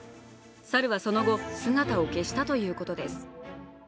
猿はその後、姿を消したということです。